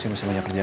aku mau denger mas